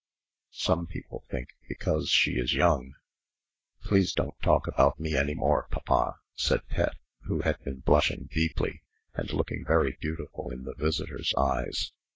Some people think, because she is young " "Please don't talk about me any more, papa," said Pet, who had been blushing deeply, and looking very beautiful in the visitor's eyes.